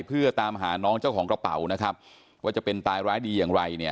เพื่อตามหาน้องเจ้าของกระเป๋านะครับว่าจะเป็นตายร้ายดีอย่างไรเนี่ย